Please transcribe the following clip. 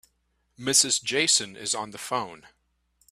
Mrs. Jason is on the phone.